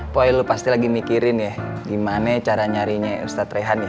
pokoknya lu pasti lagi mikirin ya gimana cara nyarinya ustadz rehan ya